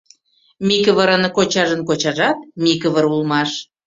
Микывырын кочажын кочажат Микывыр улмаш.